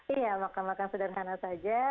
iya makan makan sederhana saja